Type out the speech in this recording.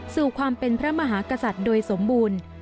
สู่ความเป็นพระมหากษัตริย์โดยสมบูรณ์